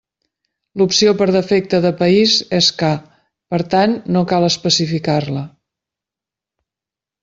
L'opció per defecte de país és ca, per tant no cal especificar-la.